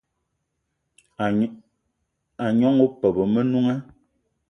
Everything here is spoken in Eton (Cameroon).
A gnong opeup o Menunga